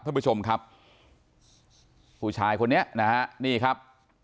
ท่านผู้ชมครับผู้ชายคนนี้นะฮะนี่ครับ